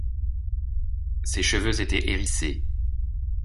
Ses cheveux étaient hérissés.